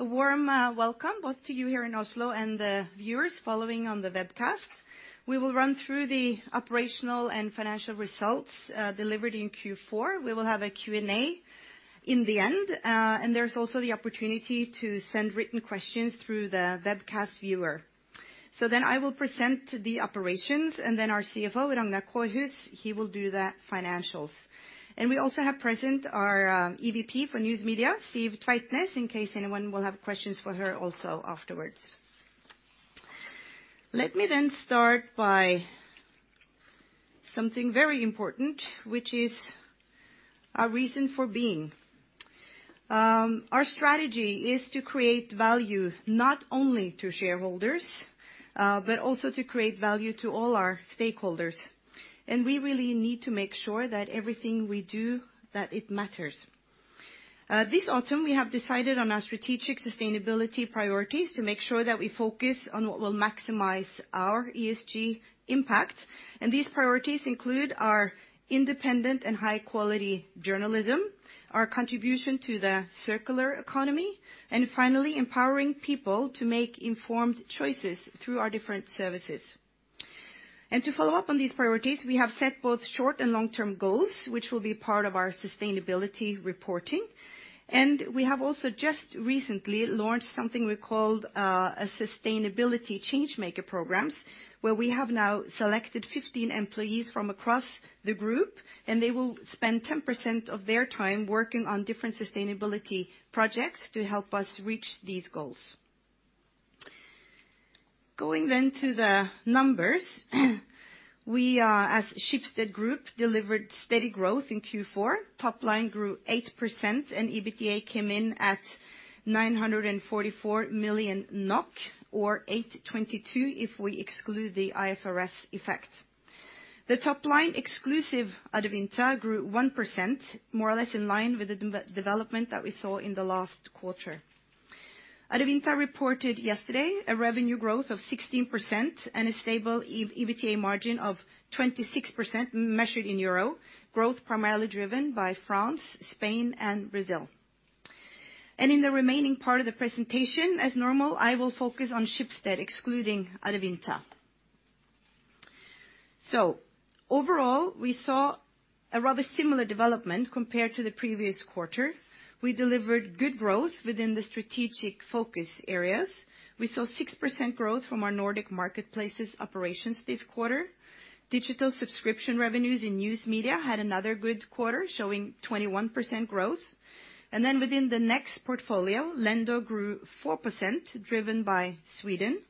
A warm welcome both to you here in Oslo and the viewers following on the webcast. We will run through the operational and financial results delivered in Q4. We will have a Q&A in the end. There's also the opportunity to send written questions through the webcast viewer. I will present the operations. Our CFO, Ragnar Kårhus, he will do the financials. We also have present our EVP for News Media, Siv Tveitnes, in case anyone will have questions for her also afterwards. Let me then start by something very important, which is our reason for being. Our strategy is to create value not only to shareholders, but also to create value to all our stakeholders. We really need to make sure that everything we do, that it matters. This autumn, we have decided on our strategic sustainability priorities to make sure that we focus on what will maximize our ESG impact. These priorities include our independent and high quality journalism, our contribution to the circular economy, and finally, empowering people to make informed choices through our different services. To follow up on these priorities, we have set both short and long-term goals, which will be part of our sustainability reporting. We have also just recently launched something we called a sustainability change maker programs, where we have now selected 15 employees from across the group, and they will spend 10% of their time working on different sustainability projects to help us reach these goals. Going to the numbers, we, as Schibsted Group, delivered steady growth in Q4. Top line grew 8%, EBITDA came in at 944 million NOK, or 822 if we exclude the IFRS effect. The top line, exclusive Adevinta, grew 1%, more or less in line with the development that we saw in the last quarter. Adevinta reported yesterday a revenue growth of 16% and a stable EBITDA margin of 26% measured in EUR, growth primarily driven by France, Spain, and Brazil. In the remaining part of the presentation, as normal, I will focus on Schibsted excluding Adevinta. Overall, we saw a rather similar development compared to the previous quarter. We delivered good growth within the strategic focus areas. We saw 6% growth from our Nordic Marketplaces operations this quarter. Digital subscription revenues in News Media had another good quarter, showing 21% growth. Within the Next portfolio, Lendo grew 4%, driven by Sweden.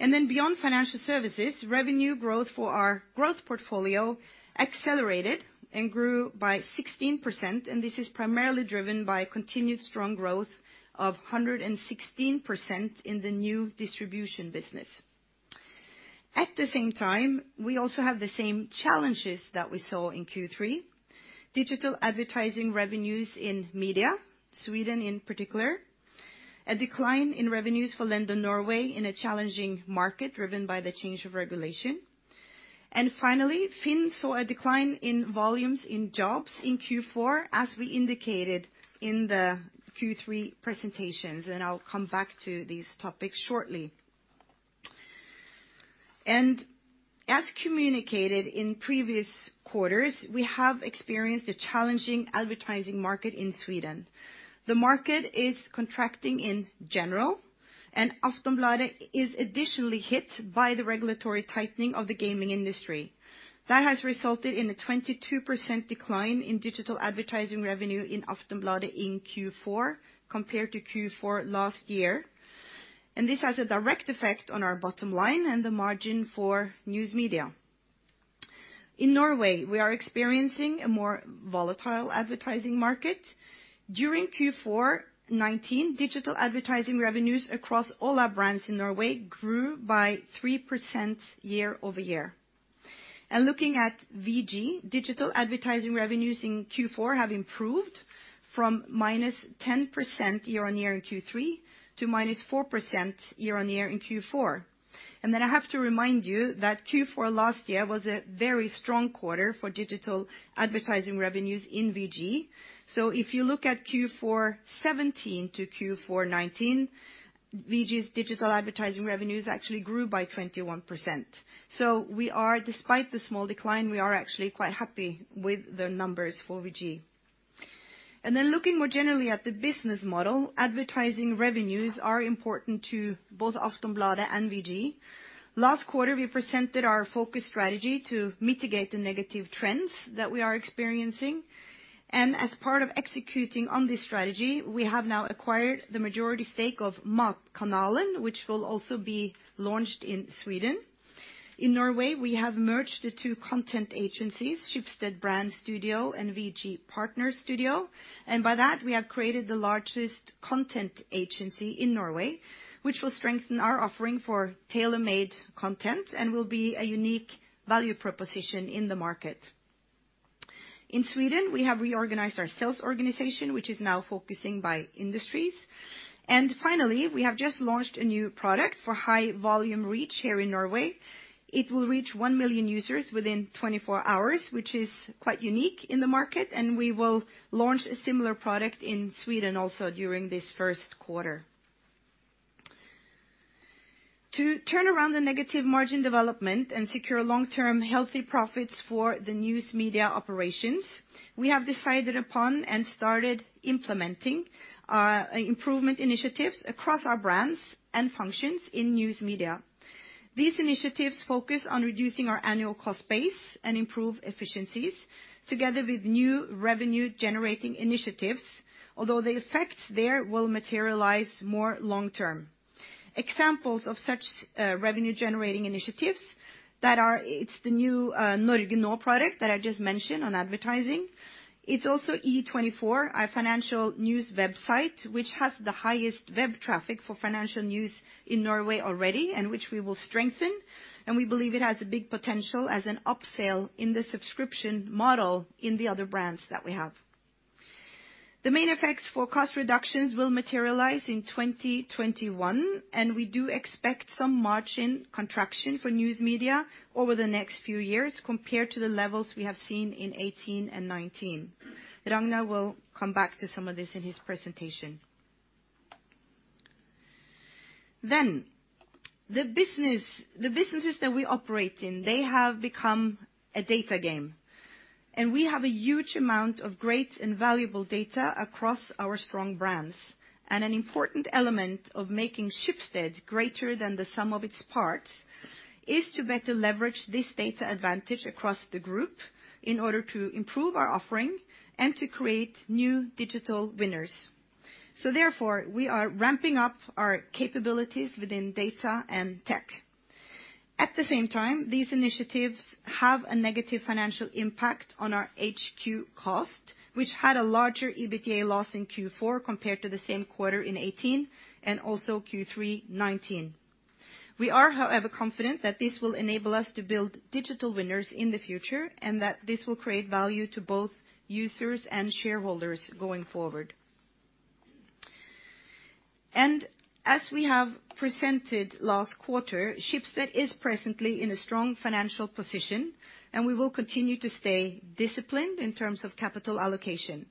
Beyond financial services, revenue growth for our growth portfolio accelerated and grew by 16%. This is primarily driven by continued strong growth of 116% in the new distribution business. At the same time, we also have the same challenges that we saw in Q3. Digital advertising revenues in media, Sweden in particular. A decline in revenues for Lendo Norway in a challenging market driven by the change of regulation. Finally, FINN saw a decline in volumes in jobs in Q4, as we indicated in the Q3 presentations. I'll come back to these topics shortly. As communicated in previous quarters, we have experienced a challenging advertising market in Sweden. The market is contracting in general. Aftonbladet is additionally hit by the regulatory tightening of the gaming industry. That has resulted in a 22% decline in digital advertising revenue in Aftonbladet in Q4 compared to Q4 last year. This has a direct effect on our bottom line and the margin for News Media. In Norway, we are experiencing a more volatile advertising market. During Q4 2019, digital advertising revenues across all our brands in Norway grew by 3% year-over-year. Looking at VG, digital advertising revenues in Q4 have improved from -10% year-on-year in Q3 to -4% year-on-year in Q4. Then I have to remind you that Q4 last year was a very strong quarter for digital advertising revenues in VG. If you look at Q4 2017 to Q4 2019, VG's digital advertising revenues actually grew by 21%. We are, despite the small decline, we are actually quite happy with the numbers for VG. Looking more generally at the business model, advertising revenues are important to both Aftonbladet and VG. Last quarter, we presented our focus strategy to mitigate the negative trends that we are experiencing. As part of executing on this strategy, we have now acquired the majority stake of Matkanalen, which will also be launched in Sweden. In Norway, we have merged the two content agencies, Schibsted Brand Studio and VG Partner Studio. By that, we have created the largest content agency in Norway, which will strengthen our offering for tailor-made content and will be a unique value proposition in the market. In Sweden, we have reorganized our sales organization, which is now focusing by industries. Finally, we have just launched a new product for high volume reach here in Norway. It will reach 1 million users within 24 hours, which is quite unique in the market, and we will launch a similar product in Sweden also during this 1st quarter. To turn around the negative margin development and secure long-term healthy profits for the News Media operations, we have decided upon and started implementing our improvement initiatives across our brands and functions in News Media. These initiatives focus on reducing our annual cost base and improve efficiencies together with new revenue-generating initiatives, although the effects there will materialize more long term. Examples of such revenue-generating initiatives it's the new Norge Now product that I just mentioned on advertising. It's also E24, our financial news website, which has the highest web traffic for financial news in Norway already, and which we will strengthen, and we believe it has a big potential as an upsale in the subscription model in the other brands that we have. The main effects for cost reductions will materialize in 2021, and we do expect some margin contraction for News Media over the next few years compared to the levels we have seen in 18 and 19. Ragnar will come back to some of this in his presentation. The business, the businesses that we operate in, they have become a data game, and we have a huge amount of great and valuable data across our strong brands. An important element of making Schibsted greater than the sum of its parts is to better leverage this data advantage across the group in order to improve our offering and to create new digital winners. Therefore, we are ramping up our capabilities within data and tech. At the same time, these initiatives have a negative financial impact on our HQ cost, which had a larger EBITDA loss in Q4 compared to the same quarter in 2018 and also Q3 2019. We are, however, confident that this will enable us to build digital winners in the future and that this will create value to both users and shareholders going forward. As we have presented last quarter, Schibsted is presently in a strong financial position, and we will continue to stay disciplined in terms of capital allocation.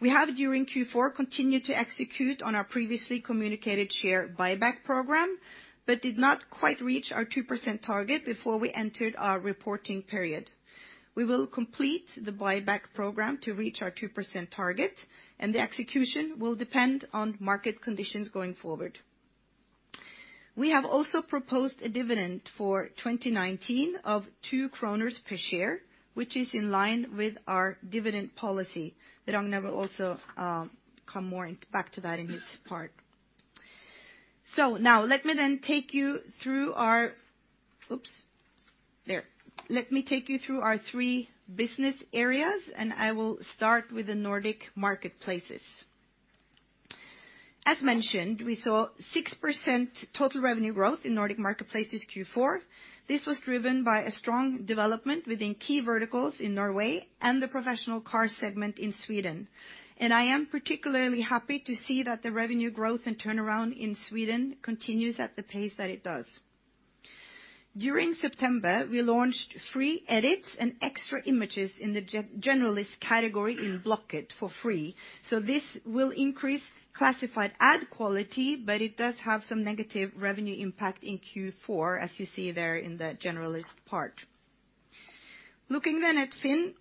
We have, during Q4, continued to execute on our previously communicated share buyback program but did not quite reach our 2% target before we entered our reporting period. We will complete the buyback program to reach our 2% target. The execution will depend on market conditions going forward. We have also proposed a dividend for 2019 of 2 kroner per share, which is in line with our dividend policy, that Ragnar will also come more back to that in his part. Now let me take you through our... Oops. There. Let me take you through our three business areas. I will start with the Nordic Marketplaces. As mentioned, we saw 6% total revenue growth in Nordic Marketplaces Q4. This was driven by a strong development within key verticals in Norway and the professional car segment in Sweden. I am particularly happy to see that the revenue growth and turnaround in Sweden continues at the pace that it does. During September, we launched free edits and extra images in the generalist category in Blocket for free, so this will increase classified ad quality, but it does have some negative revenue impact in Q4, as you see there in the generalist part. Looking at FINN,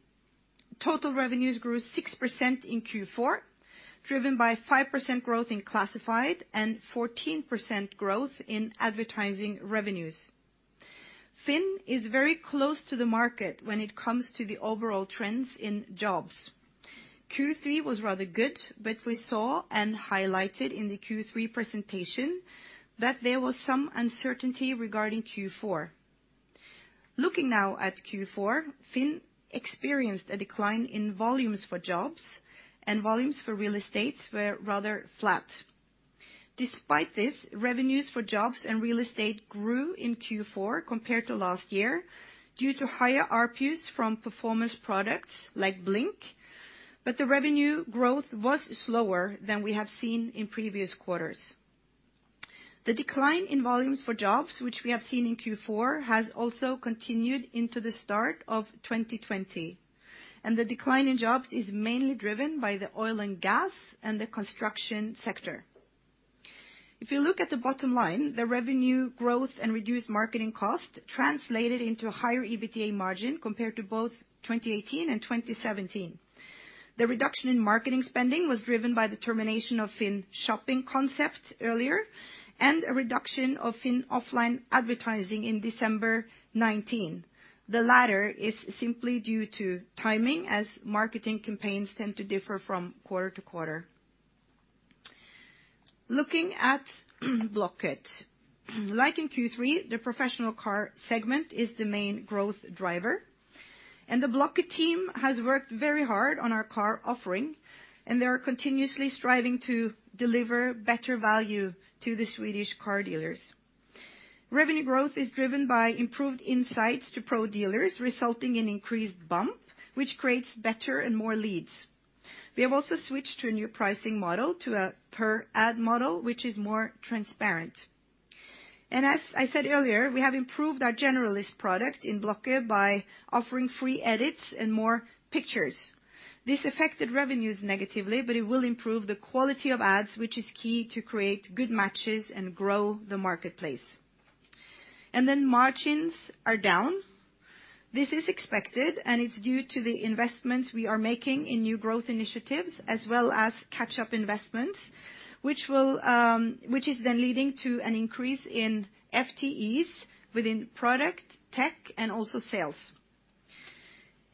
total revenues grew 6% in Q4, driven by 5% growth in classified and 14% growth in advertising revenues. FINN is very close to the market when it comes to the overall trends in jobs. Q3 was rather good, but we saw and highlighted in the Q3 presentation that there was some uncertainty regarding Q4. Looking now at Q4, FINN experienced a decline in volumes for jobs, and volumes for real estates were rather flat. Despite this, revenues for jobs and real estate grew in Q4 compared to last year due to higher ARPAs from performance products like Blink, but the revenue growth was slower than we have seen in previous quarters. The decline in volumes for jobs which we have seen in Q4 has also continued into the start of 2020, and the decline in jobs is mainly driven by the oil and gas and the construction sector. If you look at the bottom line, the revenue growth and reduced marketing cost translated into a higher EBITDA margin compared to both 2018 and 2017. The reduction in marketing spending was driven by the termination of FINN shopping concept earlier and a reduction of FINN offline advertising in December 2019. The latter is simply due to timing, as marketing campaigns tend to differ from quarter to quarter. Looking at Blocket. Like in Q3, the professional car segment is the main growth driver. The Blocket team has worked very hard on our car offering. They are continuously striving to deliver better value to the Swedish car dealers. Revenue growth is driven by improved insights to pro dealers, resulting in increased bump, which creates better and more leads. We have also switched to a new pricing model, to a per ad model, which is more transparent. As I said earlier, we have improved our generalist product in Blocket by offering free edits and more pictures. This affected revenues negatively, but it will improve the quality of ads, which is key to create good matches and grow the marketplace. Then margins are down. It's due to the investments we are making in new growth initiatives as well as catch-up investments, which is then leading to an increase in FTEs within product, tech, and also sales.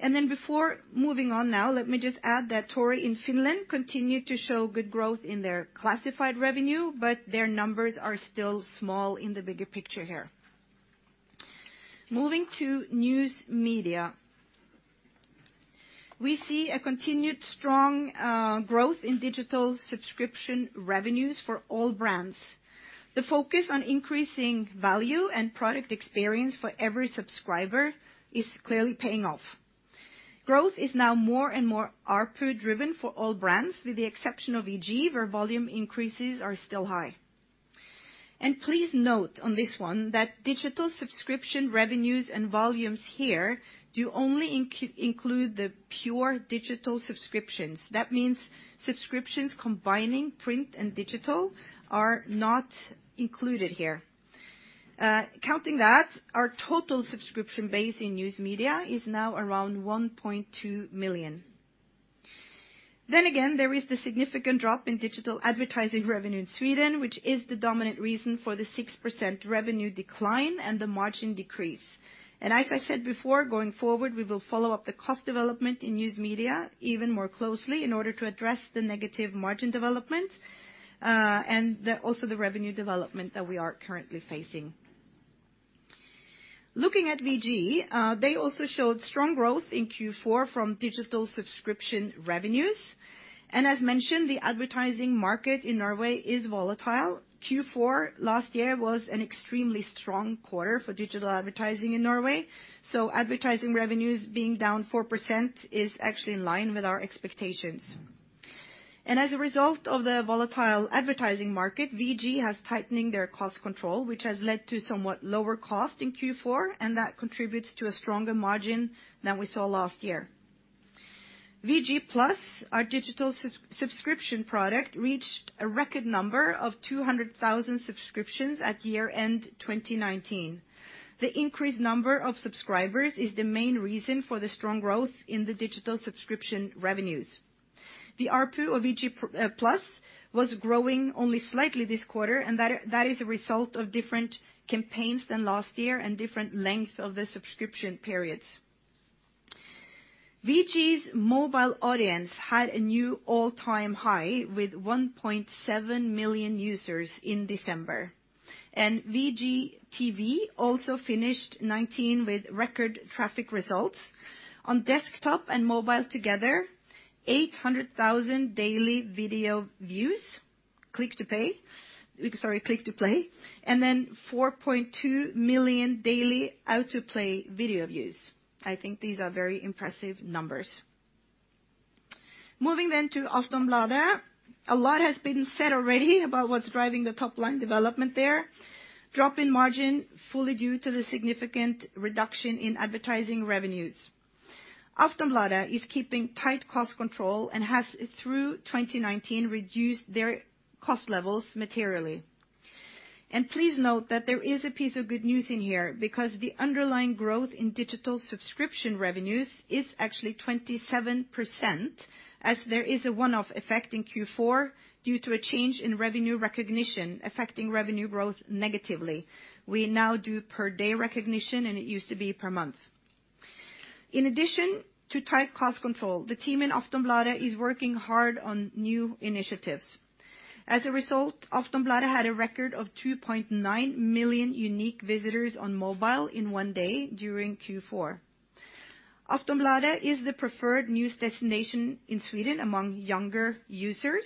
Before moving on now, let me just add that Tori in Finland continued to show good growth in their classified revenue. Their numbers are still small in the bigger picture here. Moving to News Media. We see a continued strong growth in digital subscription revenues for all brands. The focus on increasing value and product experience for every subscriber is clearly paying off. Growth is now more and more ARPU-driven for all brands, with the exception of E24, where volume increases are still high. Please note on this one that digital subscription revenues and volumes here do only include the pure digital subscriptions. That means subscriptions combining print and digital are not included here. Counting that, our total subscription base in News Media is now around 1.2 million. Again, there is the significant drop in digital advertising revenue in Sweden, which is the dominant reason for the 6% revenue decline and the margin decrease. As I said before, going forward, we will follow up the cost development in News Media even more closely in order to address the negative margin development and also the revenue development that we are currently facing. Looking at VG, they also showed strong growth in Q4 from digital subscription revenues. As mentioned, the advertising market in Norway is volatile. Q4 last year was an extremely strong quarter for digital advertising in Norway, so advertising revenues being down 4% is actually in line with our expectations. As a result of the volatile advertising market, VG has tightening their cost control, which has led to somewhat lower cost in Q4, and that contributes to a stronger margin than we saw last year. VG+, our digital sub-subscription product, reached a record number of 200,000 subscriptions at year-end 2019. The increased number of subscribers is the main reason for the strong growth in the digital subscription revenues. The ARPU of VG Plus was growing only slightly this quarter, and that is a result of different campaigns than last year and different length of the subscription periods. VG's mobile audience had a new all-time high with 1.7 million users in December. VGTV also finished 2019 with record traffic results. On desktop and mobile together, 800,000 daily video views, click to pay, sorry, click to play, and then 4.2 million daily autoplay video views. I think these are very impressive numbers. Moving to Aftonbladet. A lot has been said already about what's driving the top line development there. Drop in margin fully due to the significant reduction in advertising revenues. Aftonbladet is keeping tight cost control and has, through 2019, reduced their cost levels materially. Please note that there is a piece of good news in here because the underlying growth in digital subscription revenues is actually 27%, as there is a one-off effect in Q4 due to a change in revenue recognition affecting revenue growth negatively. We now do per-day recognition, and it used to be per month. In addition to tight cost control, the team in Aftonbladet is working hard on new initiatives. As a result, Aftonbladet had a record of 2.9 million unique visitors on mobile in one day during Q4. Aftonbladet is the preferred news destination in Sweden among younger users,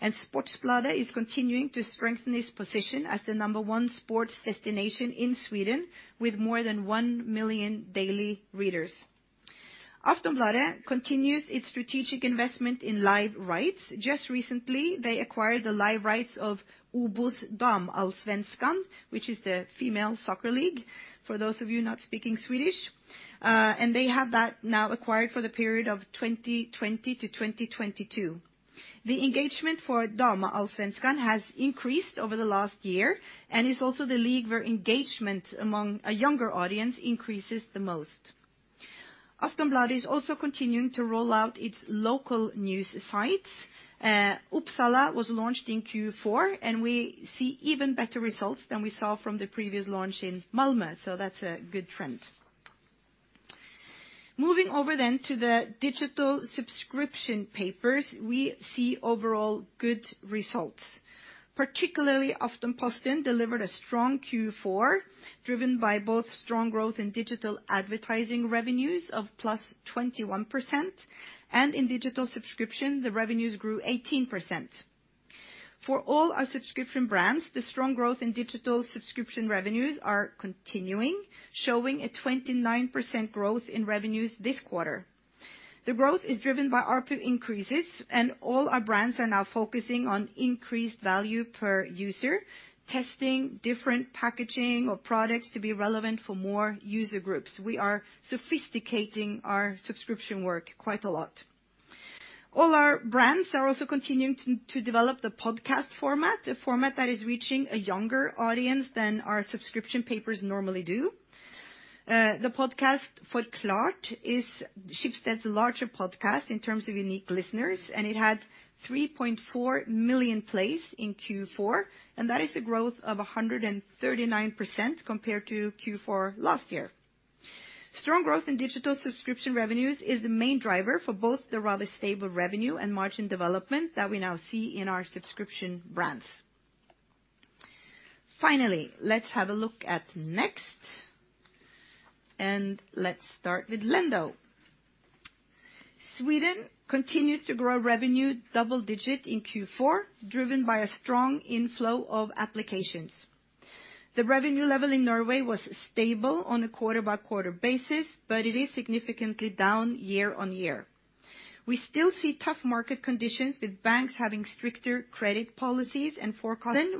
and Sportbladet is continuing to strengthen its position as the number-one sports destination in Sweden with more than 1 million daily readers. Aftonbladet continues its strategic investment in live rights. Just recently, they acquired the live rights of OBOS Damallsvenskan, which is the female soccer league, for those of you not speaking Swedish. They have that now acquired for the period of 2020-2022. The engagement for Damallsvenskan has increased over the last year and is also the league where engagement among a younger audience increases the most. Aftonbladet is also continuing to roll out its local news sites. Uppsala was launched in Q4, and we see even better results than we saw from the previous launch in Malmö, so that's a good trend. Moving over then to the digital subscription papers, we see overall good results. Particularly, Aftenposten delivered a strong Q4, driven by both strong growth in digital advertising revenues of plus 21%, and in digital subscription, the revenues grew 18%. For all our subscription brands, the strong growth in digital subscription revenues are continuing, showing a 29% growth in revenues this quarter. The growth is driven by ARPU increases, and all our brands are now focusing on increased value per user, testing different packaging or products to be relevant for more user groups. We are sophisticating our subscription work quite a lot. All our brands are also continuing to develop the podcast format, a format that is reaching a younger audience than our subscription papers normally do. The podcast Förklarat is Schibsted's larger podcast in terms of unique listeners, and it had 3.4 million plays in Q4, and that is a growth of 139% compared to Q4 last year. Strong growth in digital subscription revenues is the main driver for both the rather stable revenue and margin development that we now see in our subscription brands. Finally, let's have a look at Next, and let's start with Lendo. Sweden continues to grow revenue double digit in Q4, driven by a strong inflow of applications. The revenue level in Norway was stable on a quarter-by-quarter basis, but it is significantly down year-on-year. We still see tough market conditions with banks having stricter credit policies.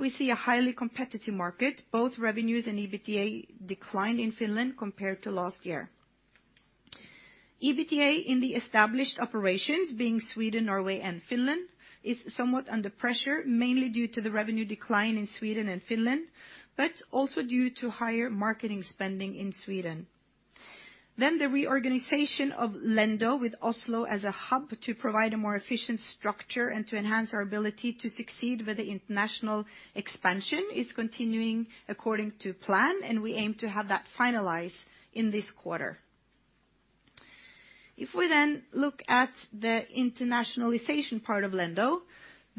We see a highly competitive market, both revenues and EBITDA declined in Finland compared to last year. EBITDA in the established operations, being Sweden, Norway, and Finland, is somewhat under pressure, mainly due to the revenue decline in Sweden and Finland, but also due to higher marketing spending in Sweden. The reorganization of Lendo with Oslo as a hub to provide a more efficient structure and to enhance our ability to succeed with the international expansion is continuing according to plan, and we aim to have that finalized in this quarter. If we then look at the internationalization part of Lendo,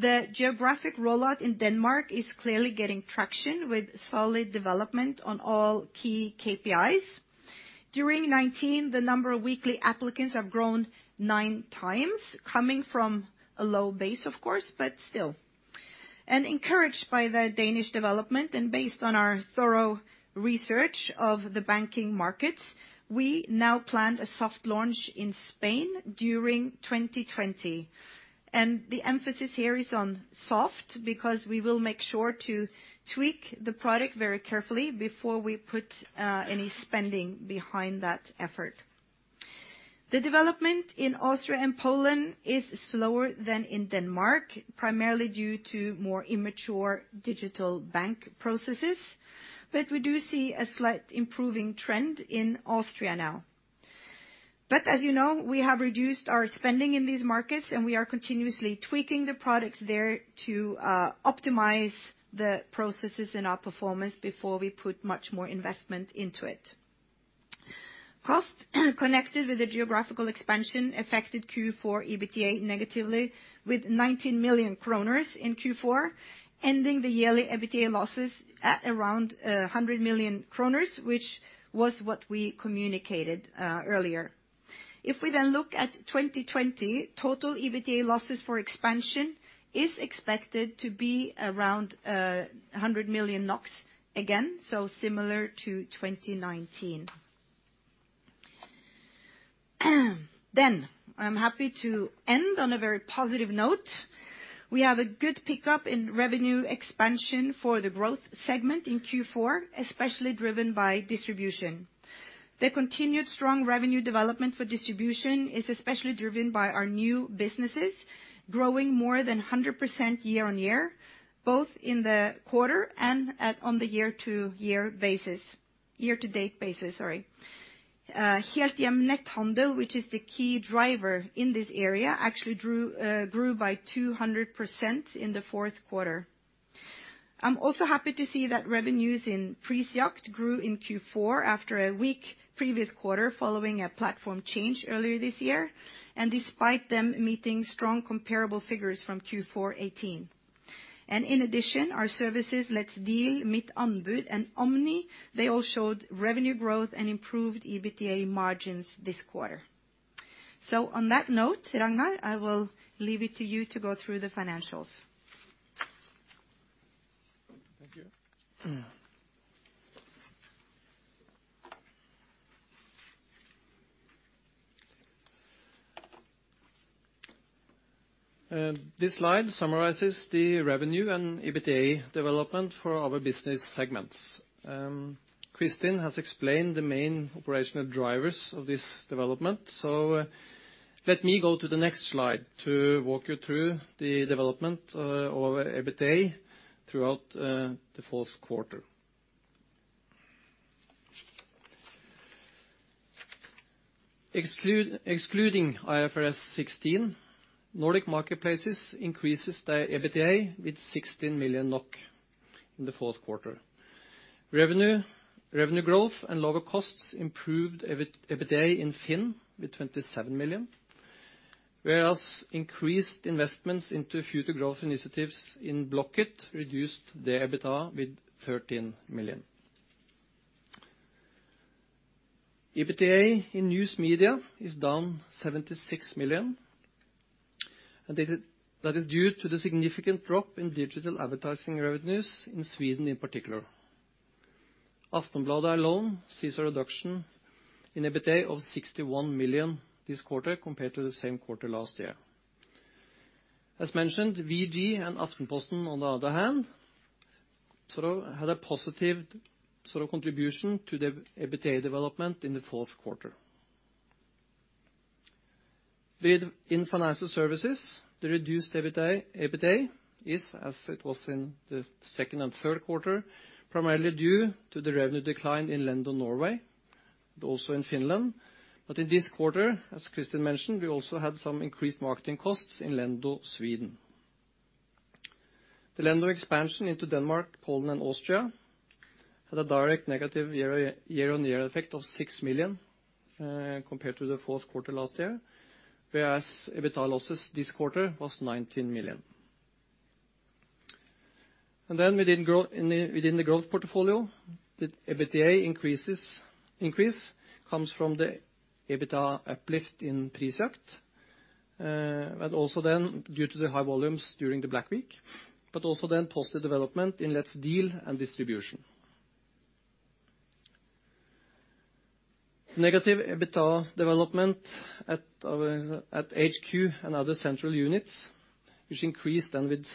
the geographic rollout in Denmark is clearly getting traction with solid development on all key KPIs. During 2019, the number of weekly applicants have grown 9 times, coming from a low base, of course, but still. Encouraged by the Danish development and based on our thorough research of the banking markets, we now plan a soft launch in Spain during 2020. The emphasis here is on soft, because we will make sure to tweak the product very carefully before we put any spending behind that effort. The development in Austria and Poland is slower than in Denmark, primarily due to more immature digital bank processes, but we do see a slight improving trend in Austria now. As you know, we have reduced our spending in these markets, and we are continuously tweaking the products there to optimize the processes and our performance before we put much more investment into it. Costs connected with the geographical expansion affected Q4 EBITDA negatively with 19 million kronor in Q4, ending the yearly EBITDA losses at around 100 million kronor, which was what we communicated earlier. We then look at 2020, total EBITDA losses for expansion is expected to be around 100 million NOK again, so similar to 2019. I'm happy to end on a very positive note. We have a good pickup in revenue expansion for the growth segment in Q4, especially driven by distribution. The continued strong revenue development for distribution is especially driven by our new businesses growing more than 100% year-on-year, both in the quarter and on the year-to-year basis. Year-to-date basis, sorry. Helthjem Netthandel, which is the key driver in this area, actually grew by 200% in the fourth quarter. I'm also happy to see that revenues in Prisjakt grew in Q4 after a weak previous quarter following a platform change earlier this year, and despite them meeting strong comparable figures from Q4 2018. In addition, our services, Let's Deal, Mitt Anbud, and Omni, they all showed revenue growth and improved EBITDA margins this quarter. On that note, Ragnar, I will leave it to you to go through the financials. Thank you. This slide summarizes the revenue and EBITDA development for our business segments. Kristin has explained the main operational drivers of this development. Let me go to the next slide to walk you through the development of EBITDA throughout the fourth quarter. Excluding IFRS 16, Nordic Marketplaces increases their EBITDA with 6 million NOK in the fourth quarter. Revenue growth and lower costs improved EBITDA in FINN with 27 million, whereas increased investments into future growth initiatives in Blocket reduced the EBITDA with 15 million. EBITDA in News Media is down 76 million. That is due to the significant drop in digital advertising revenues in Sweden in particular. Aftonbladet alone sees a reduction in EBITDA of 61 million this quarter compared to the same quarter last year. As mentioned, VG and Aftenposten on the other hand had a positive sort of contribution to the EBITDA development in the fourth quarter. In financial services, the reduced EBITDA is as it was in the second and third quarter, primarily due to the revenue decline in Lendo, Norway, but also in Finland. In this quarter, as Kristin mentioned, we also had some increased marketing costs in Lendo, Sweden. The Lendo expansion into Denmark, Poland and Austria had a direct negative year-on-year effect of 6 million compared to the fourth quarter last year, whereas EBITDA losses this quarter was 19 million. Within the growth portfolio, the EBITDA increase comes from the EBITDA uplift in Prisjakt and also due to the high volumes during the Black Week, but also positive development in Let's deal and distribution. The negative EBITDA development at our HQ and other central units, which increased then with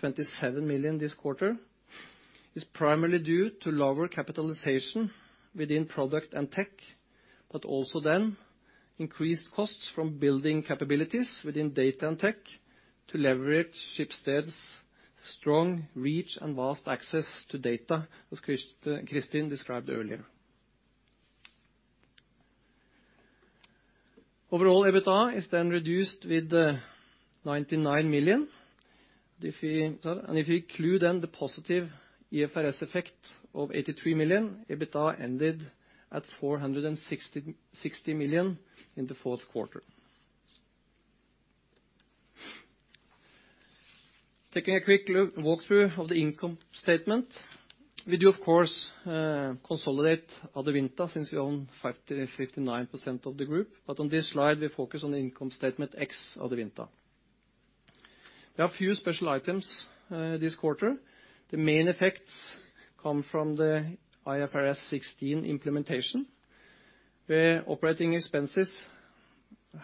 27 million this quarter, is primarily due to lower capitalization within product and tech. Also then increased costs from building capabilities within data and tech to leverage Schibsted's strong reach and vast access to data, as Kristin described earlier. Overall EBITDA is then reduced with 99 million. If we include then the positive IFRS effect of 83 million, EBITDA ended at 460 million in the fourth quarter. Taking a quick look, walk through of the income statement. We do of course, consolidate Adevinta since we own 59% of the group. On this slide we focus on the income statement ex Adevinta. We have few special items this quarter. The main effects come from the IFRS 16 implementation, where operating expenses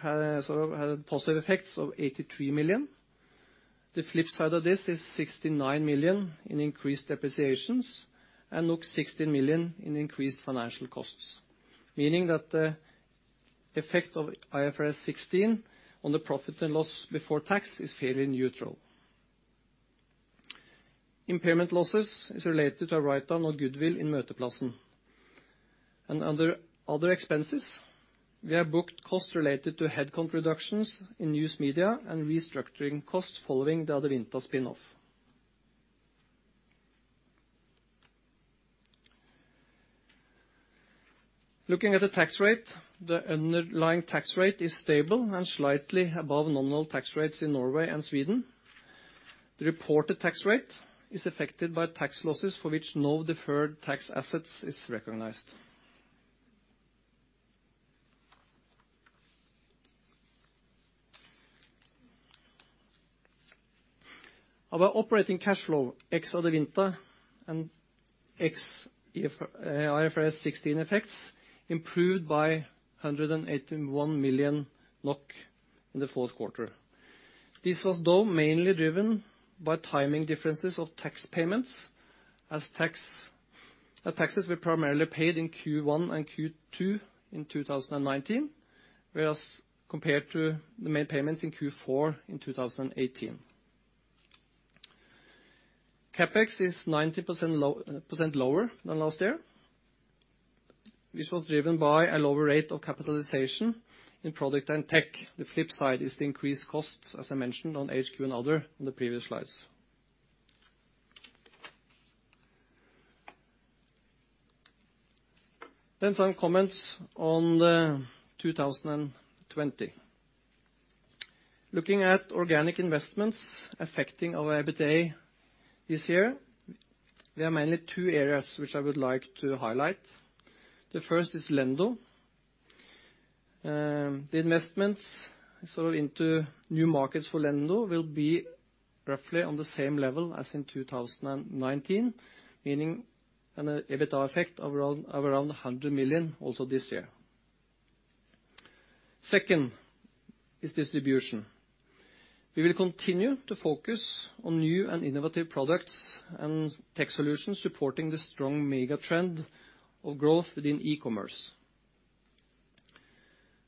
had positive effects of 83 million. The flip side of this is 69 million in increased depreciations and 60 million in increased financial costs, meaning that the effect of IFRS 16 on the profit and loss before tax is fairly neutral. Impairment losses is related to a write-down of goodwill in Møteplassen. Other expenses, we have booked costs related to headcount reductions in News Media and restructuring costs following the Adevinta spin-off. Looking at the tax rate, the underlying tax rate is stable and slightly above nominal tax rates in Norway and Sweden. The reported tax rate is affected by tax losses for which no deferred tax assets is recognized. Our operating cash flow ex Adevinta and ex IFRS 16 effects improved by 181 million NOK in the fourth quarter. This was though mainly driven by timing differences of tax payments as taxes were primarily paid in Q1 and Q2 in 2019, whereas compared to the main payments in Q4 in 2018. CapEx is 90% lower than last year, which was driven by a lower rate of capitalization in product and tech. The flip side is the increased costs, as I mentioned, on HQ and other on the previous slides. Some comments on the 2020. Looking at organic investments affecting our EBITDA this year, there are mainly two areas which I would like to highlight. The first is Lendo. The investments sort of into new markets for Lendo will be roughly on the same level as in 2019, meaning an EBITDA effect of around 100 million also this year. Second is distribution. We will continue to focus on new and innovative products and tech solutions supporting the strong mega trend of growth within e-commerce.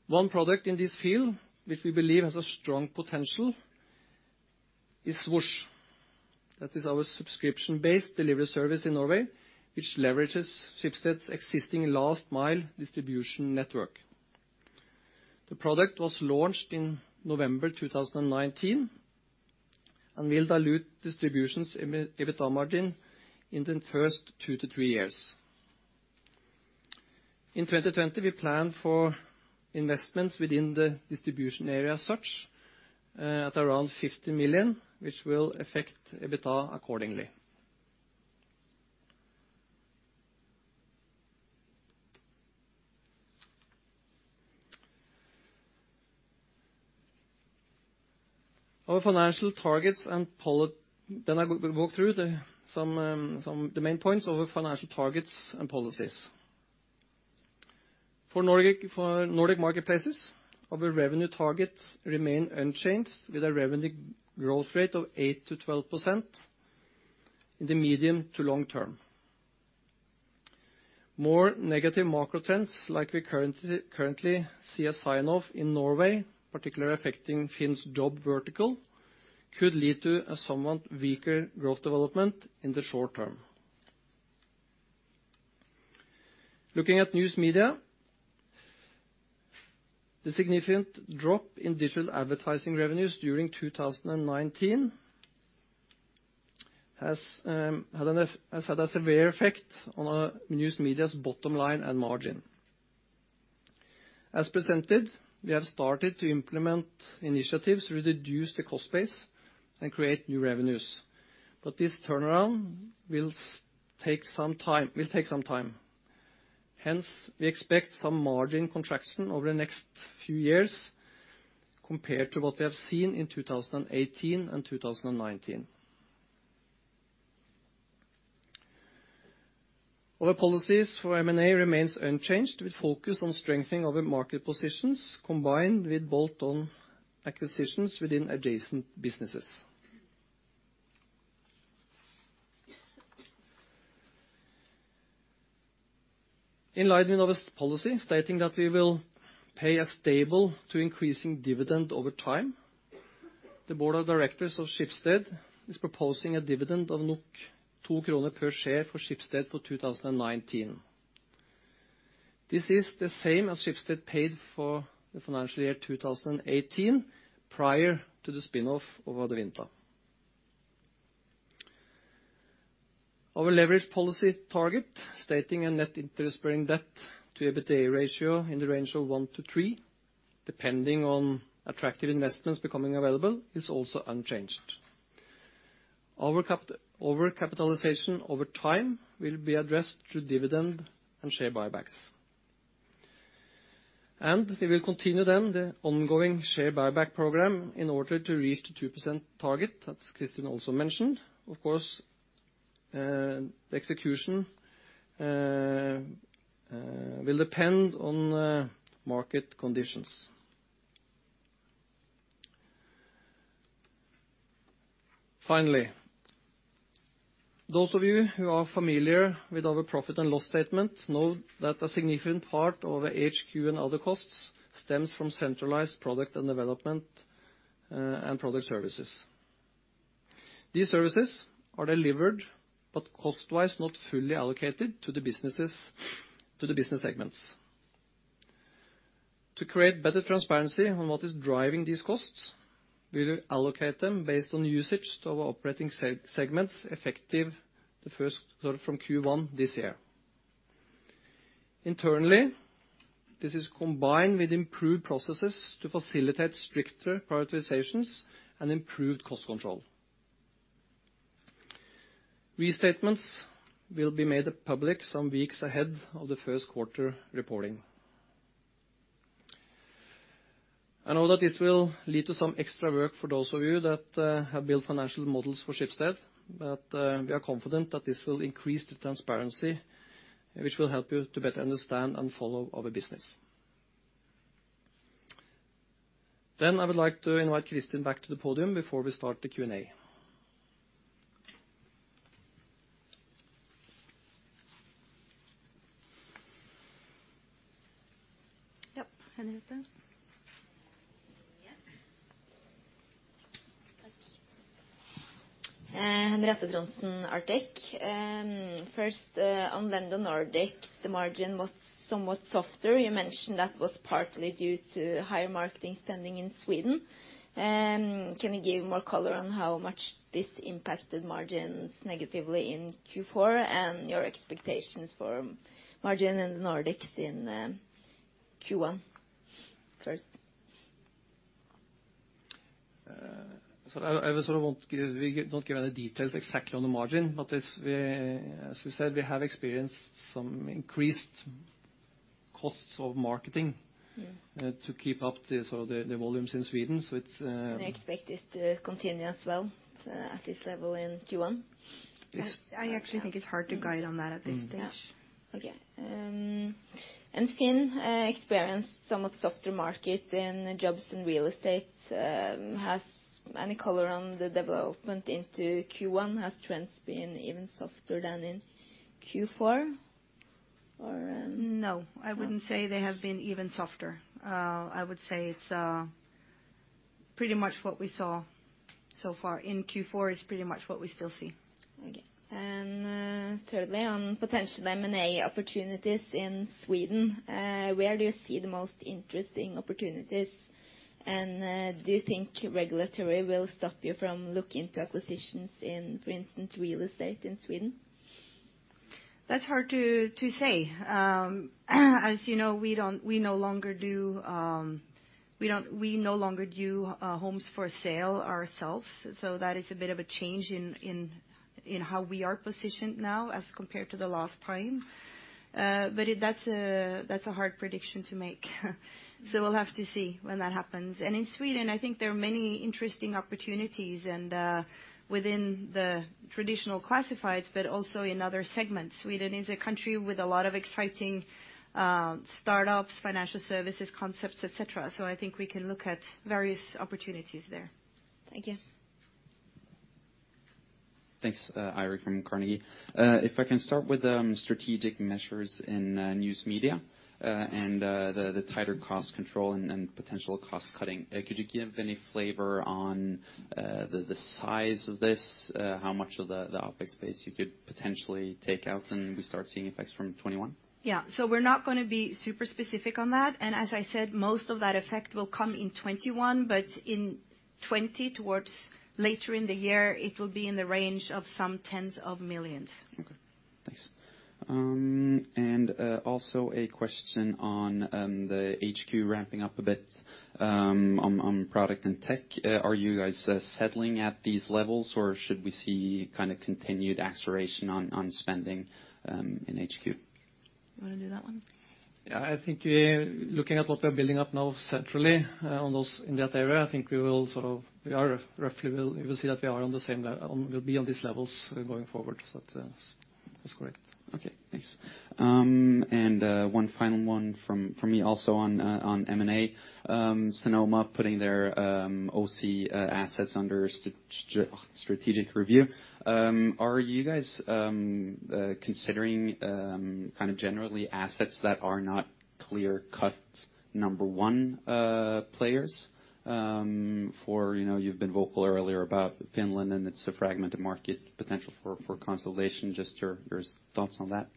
One product in this field which we believe has a strong potential is Swoosh. That is our subscription-based delivery service in Norway, which leverages Schibsted's existing last mile distribution network. The product was launched in November 2019 and will dilute distribution's EBITDA margin in the first 2 to 3 years. In 2020, we plan for investments within the distribution area as such, at around 50 million, which will affect EBITDA accordingly. Our financial targets and policies. I will walk through the some the main points of our financial targets and policies. For Nordic Marketplaces, our revenue targets remain unchanged with a revenue growth rate of 8%-12% in the medium to long term. More negative macro trends like we currently see a sign of in Norway, particularly affecting FINN's job vertical, could lead to a somewhat weaker growth development in the short term. Looking at News Media, the significant drop in digital advertising revenues during 2019 has had a severe effect on our News Media's bottom line and margin. As presented, we have started to implement initiatives to reduce the cost base and create new revenues. This turnaround will take some time. We expect some margin contraction over the next few years compared to what we have seen in 2018 and 2019. Our policies for M&A remains unchanged. We focus on strengthening our market positions combined with bolt-on acquisitions within adjacent businesses. In light of our policy stating that we will pay a stable to increasing dividend over time, the board of directors of Schibsted is proposing a dividend of 2 kroner per share for Schibsted for 2019. This is the same as Schibsted paid for the financial year 2018 prior to the spin-off of Adevinta. Our leverage policy target, stating a net interest-bearing debt to EBITDA ratio in the range of 1-3, depending on attractive investments becoming available, is also unchanged. Our overcapitalization over time will be addressed through dividend and share buybacks. We will continue then the ongoing share buyback program in order to reach the 2% target, as Kristin also mentioned. Of course, execution will depend on market conditions. Finally, those of you who are familiar with our profit and loss statement know that a significant part of our HQ and other costs stems from centralized product and development and product services. These services are delivered, but cost-wise, not fully allocated to the businesses, to the business segments. To create better transparency on what is driving these costs, we will allocate them based on usage to our operating segments effective the first quarter from Q1 this year. Internally, this is combined with improved processes to facilitate stricter prioritizations and improved cost control. Restatements will be made public some weeks ahead of the first quarter reporting. I know that this will lead to some extra work for those of you that have built financial models for Schibsted, but we are confident that this will increase the transparency, which will help you to better understand and follow our business. I would like to invite Kristin back to the podium before we start the Q&A. Yeah. Henriette. Yeah. Takk. Henriette Trondsen, Arctic. First, on Lendo Nordic, the margin was somewhat softer. You mentioned that was partly due to higher marketing spending in Sweden. Can you give more color on how much this impacted margins negatively in Q4 and your expectations for margin in the Nordics in Q1 first? I sort of won't give, we don't give any details exactly on the margin. As we, as you said, we have experienced some increased costs of marketing. Yeah. to keep up the, sort of the volumes in Sweden. It's. Do you expect it to continue as well, at this level in Q1? Yes. I actually think it's hard to guide on that at this stage. Yeah. Okay. FINN experienced somewhat softer market in jobs and real estate. Has any color on the development into Q1? Has trends been even softer than in Q4 or? No. No. I wouldn't say they have been even softer. I would say it's pretty much what we saw so far in Q4 is pretty much what we still see. Okay. Thirdly, on potential M&A opportunities in Sweden, where do you see the most interesting opportunities? Do you think regulatory will stop you from looking to acquisitions in, for instance, real estate in Sweden? That's hard to say. As you know, we no longer do homes for sale ourselves. That is a bit of a change in how we are positioned now as compared to the last time. That's a hard prediction to make. We'll have to see when that happens. In Sweden, I think there are many interesting opportunities and within the traditional classifieds but also in other segments. Sweden is a country with a lot of exciting startups, financial services, concepts, et cetera. I think we can look at various opportunities there. Thank you. Thanks, Eirik Rafdal from Carnegie. If I can start with the strategic measures in News Media and the tighter cost control and potential cost cutting, could you give any flavor on the size of this? How much of the OpEx base you could potentially take out, and we start seeing effects from 2021? Yeah. We're not gonna be super specific on that, and as I said, most of that effect will come in 2021, but in 2020 towards later in the year, it will be in the range of some NOK tens of millions. Okay, thanks. Also a question on the HQ ramping up a bit on product and tech. Are you guys settling at these levels, or should we see kind of continued acceleration on spending in HQ? Wanna do that one? I think looking at what we're building up now centrally, on those in that area, we'll be on these levels going forward. That's correct. Okay, thanks. One final one from me also on M&A. Sanoma putting their OC assets under strategic review. Are you guys considering kinda generally assets that are not clear-cut number one players for, you know, you've been vocal earlier about Finland, and it's a fragmented market potential for consolidation. Just your thoughts on that?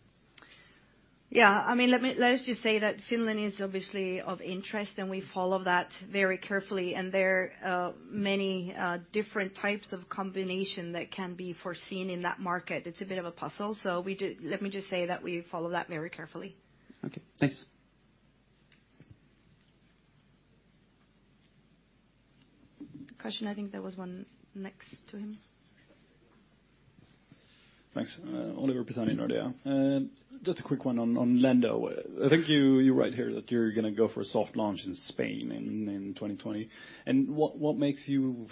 Yeah. I mean, let us just say that Finland is obviously of interest, and we follow that very carefully. There are many different types of combination that can be foreseen in that market. It's a bit of a puzzle. Let me just say that we follow that very carefully. Okay, thanks. Question, I think there was one next to him. Thanks. Oliver Pisani, Nordea. Just a quick one on Lendo. I think you write here that you're gonna go for a soft launch in Spain in 2020. What makes you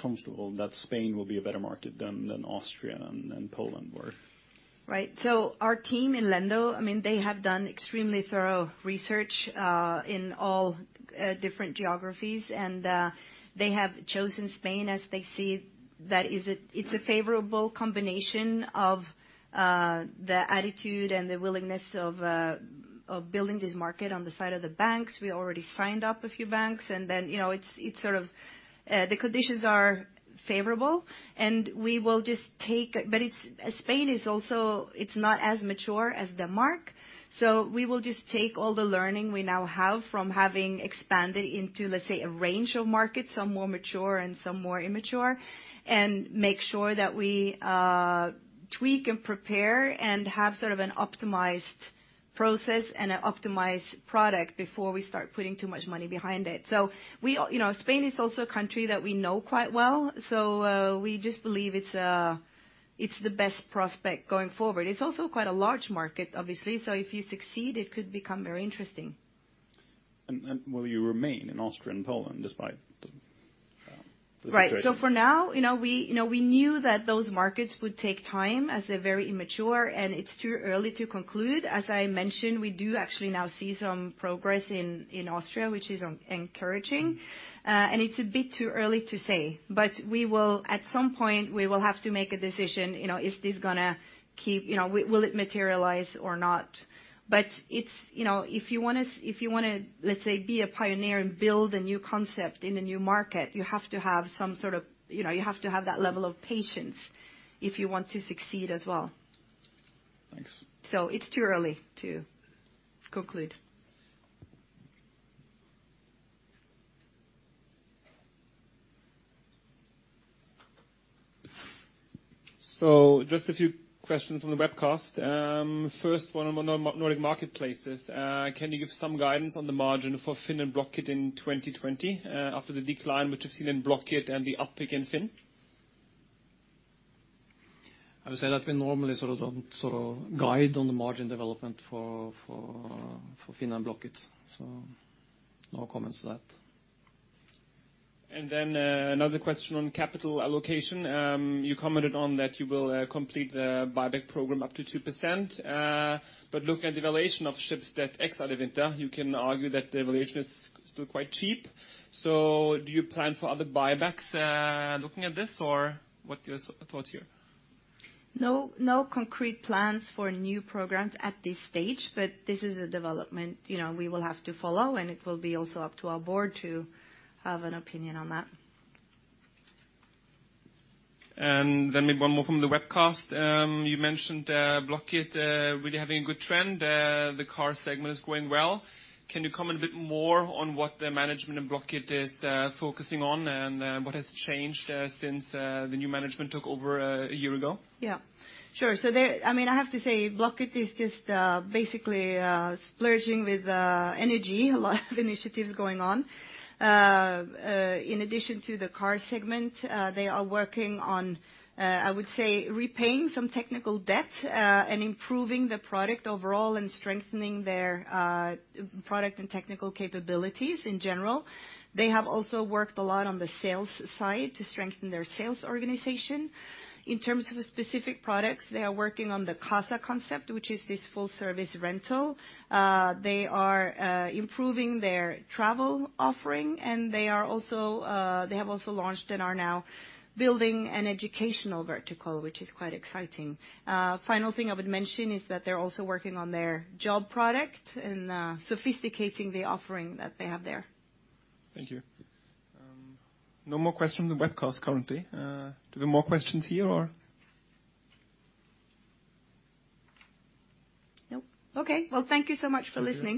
comfortable that Spain will be a better market than Austria and Poland were? Right. Our team in Lendo, I mean, they have done extremely thorough research in all different geographies, and they have chosen Spain as they see that it's a favorable combination of the attitude and the willingness of building this market on the side of the banks. We already signed up a few banks, and then, you know, it's sort of the conditions are favorable. Spain is also, it's not as mature as Denmark, so we will just take all the learning we now have from having expanded into, let's say, a range of markets, some more mature and some more immature, and make sure that we tweak and prepare and have sort of an optimized process and an optimized product before we start putting too much money behind it. We, you know, Spain is also a country that we know quite well, so, we just believe it's the best prospect going forward. It's also quite a large market, obviously. If you succeed, it could become very interesting. Will you remain in Austria and Poland despite the situation? Right. For now, you know, we, you know, we knew that those markets would take time as they're very immature, and it's too early to conclude. As I mentioned, we do actually now see some progress in Austria, which is encouraging, and it's a bit too early to say. We will, at some point, we will have to make a decision, you know, is this gonna keep, you know, will it materialize or not? It's, you know, if you wanna, if you wanna, let's say, be a pioneer and build a new concept in a new market, you have to have some sort of, you know, you have to have that level of patience if you want to succeed as well. Thanks. It's too early to conclude. Just a few questions on the webcast. First one on Nordic Marketplaces. Can you give some guidance on the margin for FINN and Blocket in 2020, after the decline which we've seen in Blocket and the uptick in FINN? I would say that we normally sort of don't guide on the margin development for FINN and Blocket. No comments to that. Another question on capital allocation. You commented on that you will complete the buyback program up to 2%, but look at the valuation of Schibsted ex-Adevinta. You can argue that the valuation is still quite cheap. Do you plan for other buybacks, looking at this, or what's your thoughts here? No, no concrete plans for new programs at this stage, but this is a development, you know, we will have to follow, and it will be also up to our board to have an opinion on that. Then maybe one more from the webcast. You mentioned Blocket really having a good trend. The car segment is going well. Can you comment a bit more on what the management of Blocket is focusing on and what has changed since the new management took over a year ago? Yeah, sure. There, I mean, I have to say Blocket is just basically splurging with energy, a lot of initiatives going on. In addition to the car segment, they are working on, I would say, repaying some technical debt and improving the product overall and strengthening their product and technical capabilities in general. They have also worked a lot on the sales side to strengthen their sales organization. In terms of specific products, they are working on the Casa concept, which is this full-service rental. They are improving their travel offering, and they are also, they have also launched and are now building an educational vertical, which is quite exciting. Final thing I would mention is that they're also working on their job product and sophisticating the offering that they have there. Thank you. No more questions from the webcast currently. Do you have more questions here or? Nope. Okay. Thank you so much for listening.